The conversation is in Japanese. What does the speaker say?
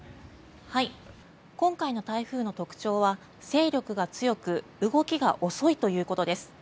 今回の台風の特徴は勢力が強く動きが遅いということです。